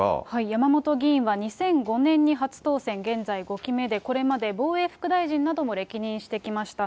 山本議員は２００５年に初当選、現在５期目で、これまで防衛副大臣なども歴任してきました。